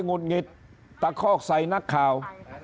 หุ่นเง็ดตะคอกใส่นักข่าว